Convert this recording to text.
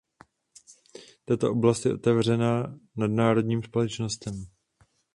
Tato oblast je otevřená nadnárodním společnostem.